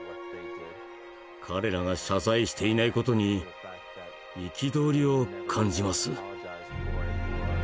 彼らが謝罪していない事に憤りを感じます。